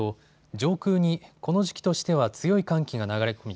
上空にこの時期としては強い寒気が流れ込み